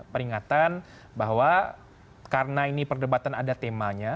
peringatan bahwa karena ini perdebatan ada temanya